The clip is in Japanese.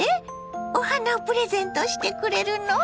お花をプレゼントしてくれるの？